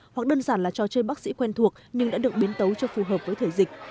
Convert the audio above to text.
hoặc đơn giản là trò chơi bác sĩ quen thuộc nhưng đã được biến tấu cho phù hợp với thời dịch